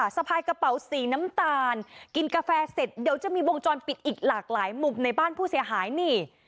สะพายกระเป๋าสีน้ำตาลกินกาแฟเสร็จเดี๋ยวจะมีวงจรปิดอีกหลากหลายมุมในบ้านผู้เสียหายนี่